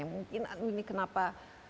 mungkin ini kenapa